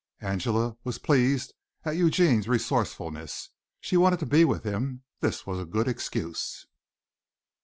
Angela was pleased at Eugene's resourcefulness. She wanted to be with him; this was a good excuse.